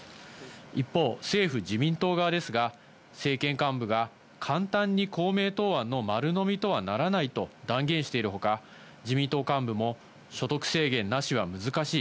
一方、政府・自民党側ですが、政権幹部が、簡単に公明党案の丸飲みとはならないと断言しているほか、自民党幹部も、所得制限なしは難しい。